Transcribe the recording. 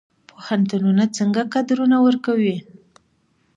پوهنتونونه څنګه کادرونه ورکوي؟